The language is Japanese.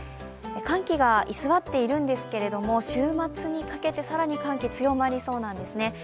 寒気が居座っているんですけれども、週末にかけて更に寒気強まりそうなんですね。